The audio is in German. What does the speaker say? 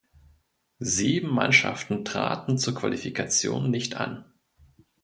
Sieben Mannschaften traten zur Qualifikation nicht an.